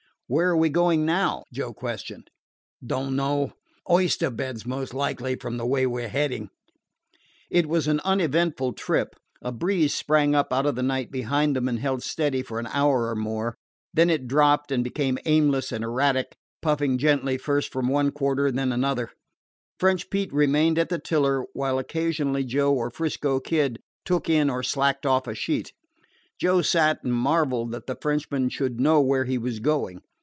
"Where are we going now?" Joe questioned. "Don't know; oyster beds most likely, from the way we 're heading." It was an uneventful trip. A breeze sprang up out of the night behind them, and held steady for an hour or more. Then it dropped and became aimless and erratic, puffing gently first from one quarter and then another. French Pete remained at the tiller, while occasionally Joe or 'Frisco Kid took in or slacked off a sheet. Joe sat and marveled that the Frenchman should know where he was going.